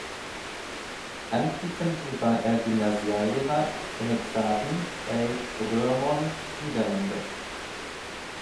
Anschließend war er Gymnasiallehrer in Exaten bei Roermond (Niederlande).